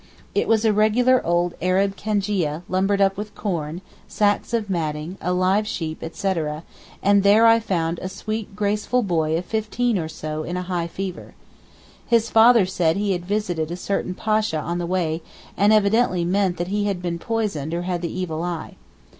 It was a regular old Arab cangia lumbered up with corn, sacks of matting, a live sheep, etc., and there I found a sweet graceful boy of fifteen or so in a high fever. His father said he had visited a certain Pasha on the way and evidently meant that he had been poisoned or had the evil eye.